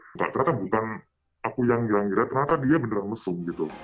nggak ternyata bukan aku yang ngira ngira ternyata dia benar benar mesum